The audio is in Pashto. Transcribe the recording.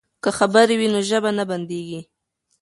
که خبرې وي نو ژبه نه بندیږي.